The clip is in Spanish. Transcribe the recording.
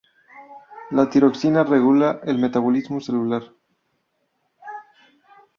La tiroxina regula el metabolismo celular.